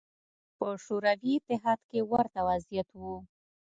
په شوروي اتحاد کې ورته وضعیت و